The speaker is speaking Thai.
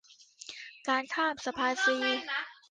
การข้ามสะพานฟรี